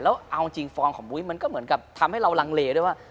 แล้วเอาจริงฟอร์มของบุ้ยมันก็เหมือนกับทำให้เราลังเลด้วยว่า